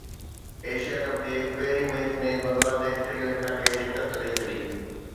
Asia cup جي پهرين match ۾ Bangladesh Sri Lanka کي شڪست ڏئي ڇڏي